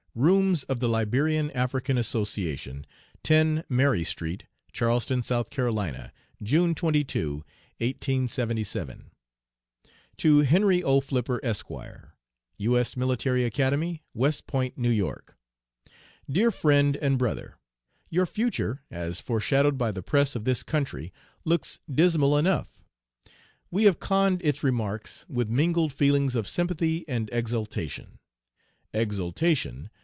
ROOMS OF THE LIBERIAN AFRICAN ASSOCIATION, 10 MARY STREET, CHARLESTON, S.C., June 22, 1877. To HENRY O. FLIPPER, Esq., U. S. Military Academy, West Point, N.Y.: DEAR FRIEND AND BROTHER: Your future, as foreshadowed by the press of this country, looks dismal enough. We have conned its remarks with mingled feelings of sympathy and exultation. Exultation!